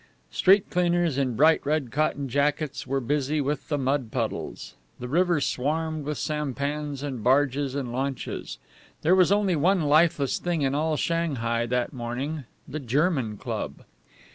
Street cleaners in bright red cotton jackets were busy with the mud puddles. The river swarmed with sampans and barges and launches. There was only one lifeless thing in all Shanghai that morning the German Club.